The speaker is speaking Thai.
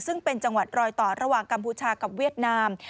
ซึ่งเป็นจังหวัดรอยต่อระหว่างกัมพูชากับเวียดนาม